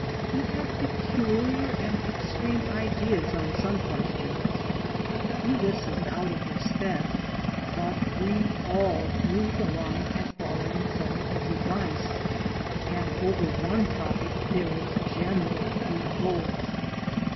He had peculiar and extreme ideas on some questions. We listened out of respect, but we all drew the line at following some of his advice, and over one topic there was general revolt.